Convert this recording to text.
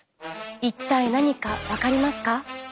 一体何か分かりますか？